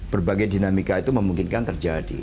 berbagai dinamika itu memungkinkan terjadi